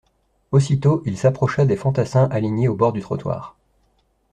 Aussitôt il s'approcha des fantassins alignés au bord du trottoir.